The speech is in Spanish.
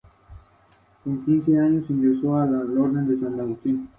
Agregó que pretendía revelar la información a su debido tiempo.